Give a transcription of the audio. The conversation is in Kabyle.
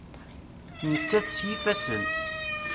Nettat s yifassen.